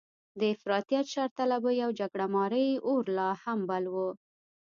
د افراطیت، شرطلبۍ او جګړه مارۍ اور لا هم بل و.